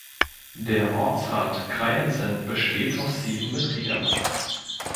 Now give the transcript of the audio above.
Der Ortsrat Kreiensen besteht aus sieben Mitgliedern.